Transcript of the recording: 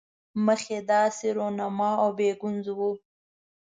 مخ یې داسې رونما او بې ګونځو وو.